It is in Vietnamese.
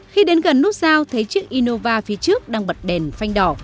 khi đến gần nút sao thấy chiếc innova phía trước đang bật đèn phanh đỏ